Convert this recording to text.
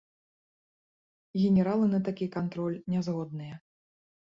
Генералы на такі кантроль не згодныя.